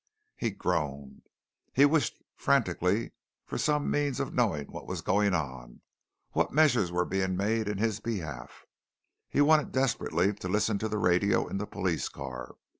He groaned. He wished frantically for some means of knowing what was going on; what measures were being made in his behalf. He wanted desperately to listen to the radio in the police car.